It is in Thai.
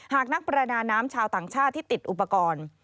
หากนักประดาน้ำชาวต่างชาติที่ติดอุปกรณ์